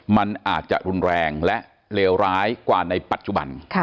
มันอาจจะรุนแรงและเลวร้ายกว่าในปัจจุบัน